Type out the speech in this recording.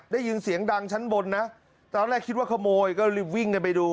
ได้ยินเสียงดังชั้นบนนะตอนแรกคิดว่าขโมยก็รีบวิ่งกันไปดู